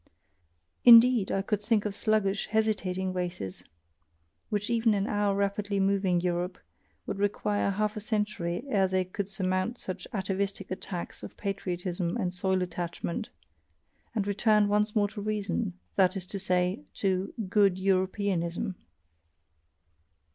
Indeed, I could think of sluggish, hesitating races, which even in our rapidly moving Europe, would require half a century ere they could surmount such atavistic attacks of patriotism and soil attachment, and return once more to reason, that is to say, to "good Europeanism."